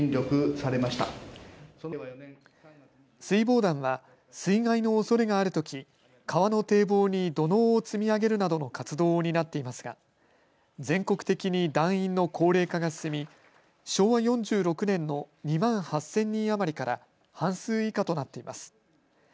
水防団は水害のおそれがあるとき、川の堤防に土のうを積み上げるなどの活動を担っていますが全国的に団員の高齢化が進み、昭和４６年の２万８０００人余りから半数以下となっています。